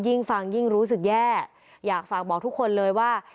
ยิ่งฟังยิ่งรู้สึกแย่อยากฝากบอกทุกคนเลยว่า